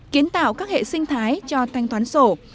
kiến tạo các hệ sinh thái cho thanh toán sổ